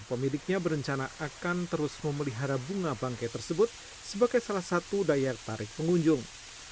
pemiliknya berencana akan terus memelihara bunga bangkai tersebut sebagai salah satu daya tarik pengunjung